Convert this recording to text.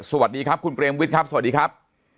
สวัสดีครับคุณเปรมวิทย์ครับสวัสดีครับ